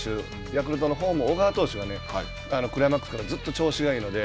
ヤクルトのほうも小川投手がクライマックスからずっと調子がいいので。